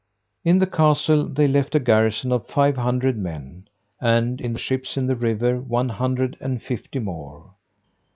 In the castle they left a garrison of five hundred men, and in the ships in the river one hundred and fifty more.